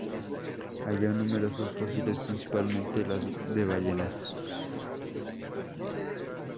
Halló numerosos fósiles principalmente de ballenas.